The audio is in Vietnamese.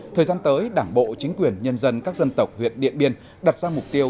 thời gian tới đảng bộ chính quyền nhân dân các dân tộc huyện điện biên đặt ra mục tiêu